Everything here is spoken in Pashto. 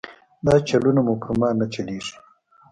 دا چلونه مو پر ما نه چلېږي.